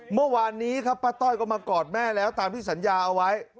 เมื่อวานนี้ครับป้าต้อยก็มากอดแม่แล้วตามที่สัญญาเอาไว้